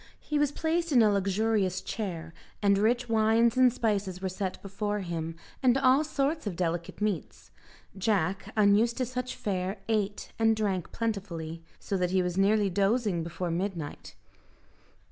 He was placed in a luxurious chair, and rich wines and spices were set before him, and all sorts of delicate meats. Jack, unused to such fare, ate and drank plentifully, so that he was nearly dozing before midnight.